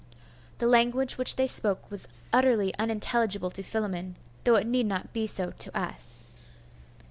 The language which they spoke was utterly unintelligible to Philammon, though it need not be so to us.